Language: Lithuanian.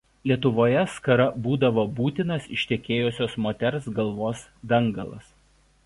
Lietuvoje skara būdavo būtinas ištekėjusios moters galvos dangalas.